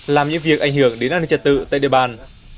làm những việc ảnh hưởng đến an ninh trật tự tại địa bàn